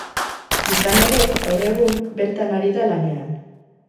Izan ere, gaur egun, bertan ari da lanean.